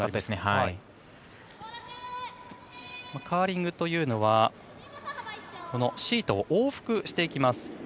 カーリングというのはシートを往復していきます。